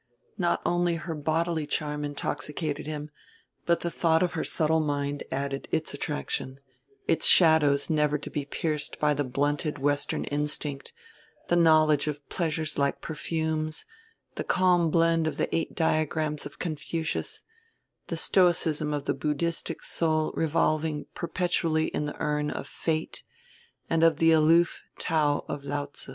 Not only her bodily charm intoxicated him, but the thought of her subtle mind added its attraction, its shadows never to be pierced by the blunted Western instinct, the knowledge of pleasures like perfumes, the calm blend of the eight diagrams of Confucius, the stoicism of the Buddhistic soul revolving perpetually in the urn of Fate, and of the aloof Tao of Lao tze.